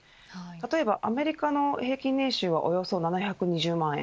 例えば、アメリカの平均年収はおよそ７２０万円